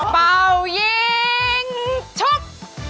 เป่ายิงชก